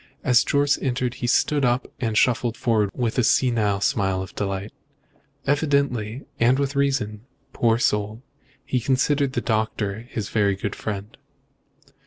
As Jorce entered he stood up and shuffled forward with a senile smile of delight. Evidently and with reason, poor soul he considered the doctor his very good friend.